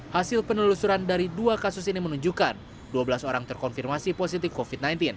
hasil penelusuran dari dua kasus ini menunjukkan dua belas orang terkonfirmasi positif covid sembilan belas